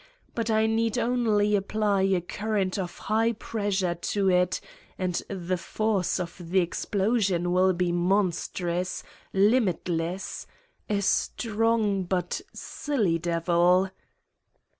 But I need only apply a current of high pressure to it and the force of the explosion will be monstrous, lim itless. A strong but silly devil